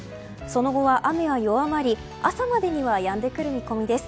その後は雨は弱まり朝までにはやんでくる見込みです。